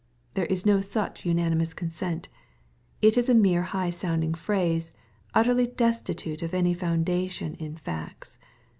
There is no such unanimous con Bent ltA\ xere high sounding phrase, utterly destitute of any foun dation in facts.